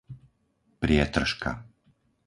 Prietržka